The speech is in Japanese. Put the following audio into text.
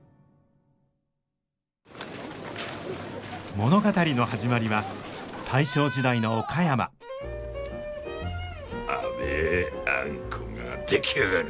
物語の始まりは大正時代の岡山甘えあんこが出来上がる。